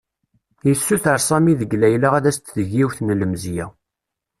Yessuter Sami deg Layla ad as-d-teg yiwet n lemzeyya.